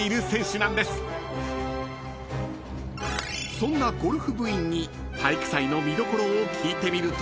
［そんなゴルフ部員に体育祭の見どころを聞いてみると］